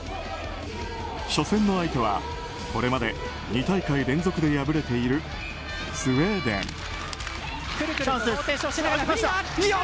初戦の相手はこれまで２大会連続で敗れているスウェーデン。